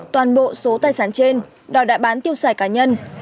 toàn bộ số tài sản trên đòi đã bán tiêu xài cá nhân